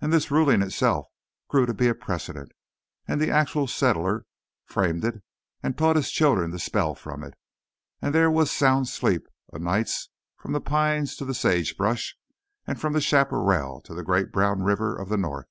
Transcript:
And this Ruling itself grew to be a Precedent, and the Actual Settler framed it, and taught his children to spell from it, and there was sound sleep o' nights from the pines to the sage brush, and from the chaparral to the great brown river of the north.